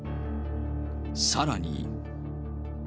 さらに。